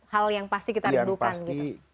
hal yang pasti kita lakukan